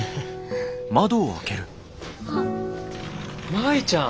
舞ちゃん！